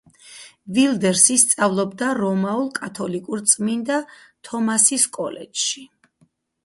ვილდერსი სწავლობდა რომაულ–კათოლიკურ წმინდა თომასის კოლეჯში.